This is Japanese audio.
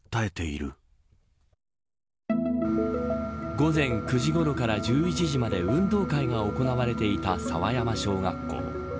午前９時ごろから１１時まで運動会が行われていた佐和山小学校。